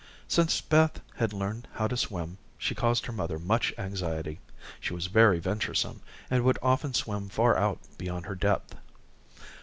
Since Beth had learned how to swim, she caused her mother much anxiety. She was very venturesome, and would often swim far out beyond her depth.